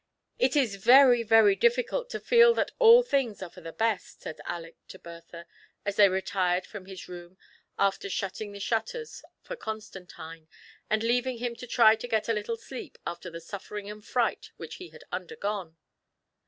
" It is very, very difficult to feel that all things are for the best," said Aleck to Bertha, as they retired from his room, after shutting the shutters for Constantine, and leaving him to try to get a little sleep after the suffering and fright which he had undergone.